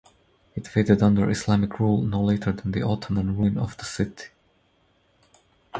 It faded under Islamic rule, no later then the Ottoman ruin of the city.